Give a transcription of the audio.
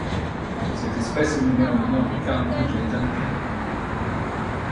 Cette espèce est nommée en l'honneur de Carl Dudley Duncan.